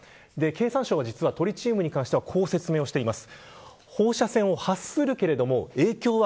経産省はトリチウムに関してはこう説明しています。